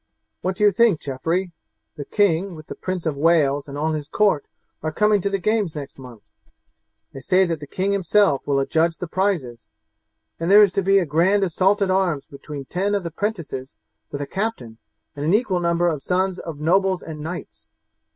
"What do you think, Geoffrey? The king, with the Prince of Wales and all his court, are coming to the games next month. They say that the king himself will adjudge the prizes; and there is to be a grand assault at arms between ten of the 'prentices with a captain, and an equal number of sons of nobles and knights."